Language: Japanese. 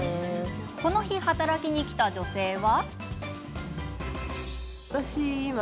この日、働きに来た女性は。